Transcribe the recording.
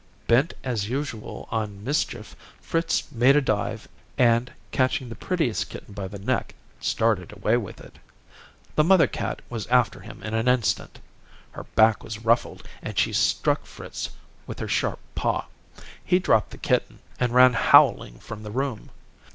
Bent as usual on mischief, Fritz made a dive and, catching the prettiest kitten by the neck, started away with it. The mother cat was after him in an instant. Her back was ruffled, and she struck Fritz with her sharp paw. He dropped the kitten and ran howling from the room.